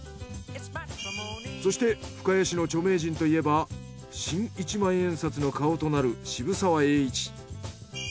そして深谷市の著名人といえば新一万円札の顔となる渋沢栄一。